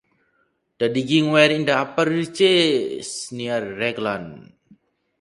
The diggings were in the upper reaches near Raglan.